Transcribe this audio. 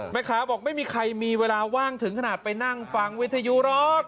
แม่ค้าบอกไม่มีใครมีเวลาว่างถึงขนาดไปนั่งฟังวิทยุหรอก